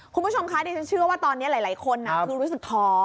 คุณผู้ชมคะดิฉันเชื่อว่าตอนนี้หลายคนคือรู้สึกท้อ